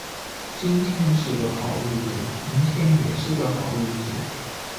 今天是个好日子，明天也是个好日子